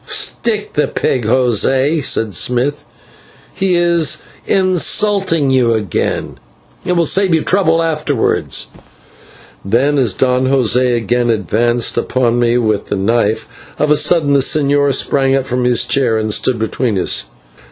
"Stick the pig, José," said Smith, "he is insulting you again. It will save you trouble afterwards." Then, as Don José again advanced upon me with the knife, of a sudden the señor sprang up from his chair and stood between us.